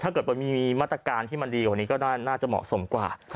ถ้าเกิดมันมีมาตรการที่มันดีกว่านี้ก็น่าจะเหมาะสมกว่า